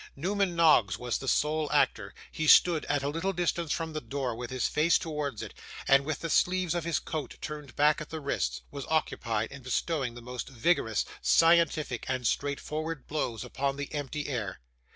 Newman Noggs was the sole actor. He stood at a little distance from the door, with his face towards it; and with the sleeves of his coat turned back at the wrists, was occupied in bestowing the most vigorous, scientific, and straightforward blows upon the empty air.